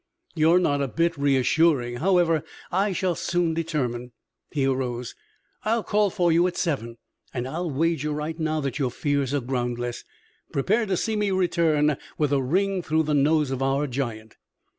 "You are not a bit reassuring. However, I shall soon determine." He arose. "I'll call for you at seven, and I'll wager right now that your fears are groundless. Prepare to see me return with a ring through the nose of our giant."